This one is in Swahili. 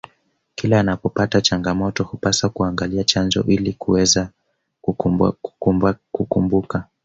kila anapopata changamoto hupaswa kuangalia chanjo ili kuweza kukumbuka